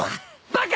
バカ！